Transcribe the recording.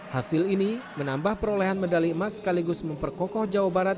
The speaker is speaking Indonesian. hasil ini menambah perolehan medali emas sekaligus memperkokoh jawa barat